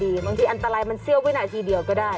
บางทีอันตรายมันเสี้ยววินาทีเดียวก็ได้